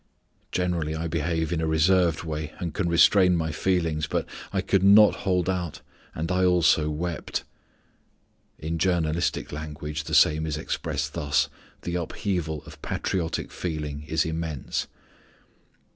Generally I behave in a reserved way and can restrain my feelings, but I could not hold out, and I also wept. [In journalistic language this same is expressed thus: "The upheaval of patriotic feeling is immense."